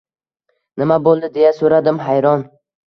“Nima boʻldi?” – deya soʻradim hayron.